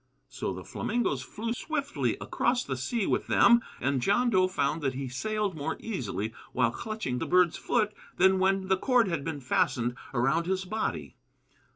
So the flamingoes flew swiftly across the sea with them, and John Dough found that he sailed more easily while clutching the bird's foot than when the cord had been fastened around his body.